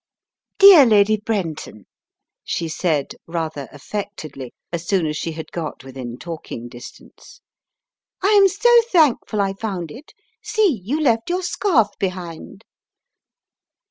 Tightening the Strands 157 "Dear Lady Brenton," she said, rather affectedly, as soon as she had got within talking distance, "I am so thankful I found it; see, you left your scarf, behind."